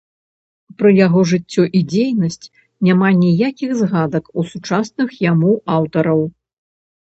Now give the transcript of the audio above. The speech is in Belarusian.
Пра яго жыццё і дзейнасць няма ніякіх згадак у сучасных яму аўтараў.